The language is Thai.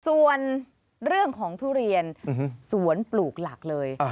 ส่วนเรื่องของทุเรียนสวนปลูกหลักเลย